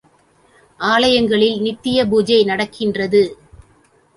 ஆலயங்களில் நித்திய பூஜை நடக்கின்றது.